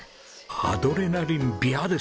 「アドレナリンビヤ」ですか。